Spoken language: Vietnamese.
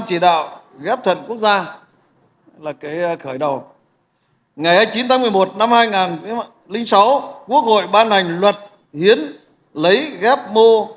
từ ca ghép tạng thành công đầu tiên cách đây ba mươi năm